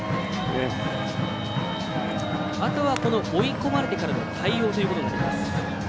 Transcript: あとは追い込まれてからの対応ということになります。